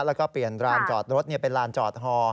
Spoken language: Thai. แล้วก็เปลี่ยนลานจอดรถเนี่ยเป็นลานจอดห่อ